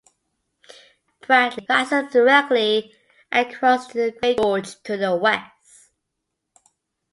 Mount Bradley rises directly across The Great Gorge to the west.